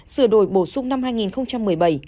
sửa đổi bổ sung năm hai nghìn một mươi bảy